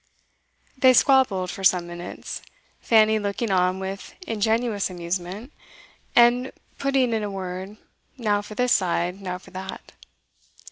They squabbled for some minutes, Fanny looking on with ingenuous amusement, and putting in a word, now for this side, now for that.